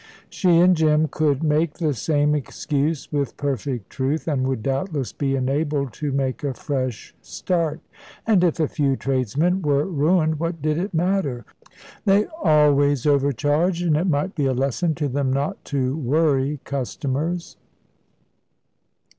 She and Jim could make the same excuse with perfect truth, and would doubtless be enabled to make a fresh start. And if a few tradesmen were ruined, what did it matter? They always overcharged, and it might be a lesson to them not to worry customers.